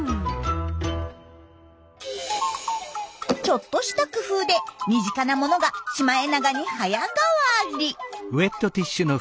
ちょっとした工夫で身近なものがシマエナガに早変わり！